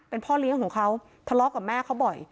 เป็นพ่อเลี้ยงของเขาทะเลาะกับแม่เขาบ่อย